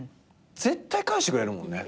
絶対返してくれるもんね。